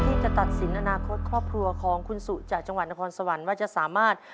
ที่จะตัดสินอนาคตครอบครัวของคุณสุจากจังหวัดนครสวรรค์ว่าจะสามารถ